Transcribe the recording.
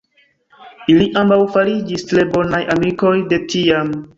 Ili ambaŭ fariĝis tre bonaj amikoj de tiam.